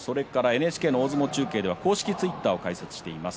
ＮＨＫ大相撲中継では公式ツイッターを開設しています。